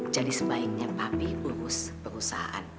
jadi sebaiknya papi urus perusahaan